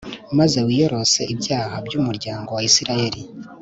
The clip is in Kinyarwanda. maze wiyorose ibyaha by’umuryango wa Israheli